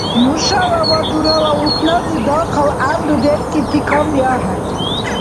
Нушала ва дурала улкназиб дахъал гӀямру деркӀибти камли ахӀен.